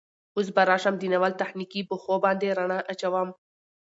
اوس به راشم د ناول تخنيکي بوخو باندې ړنا اچوم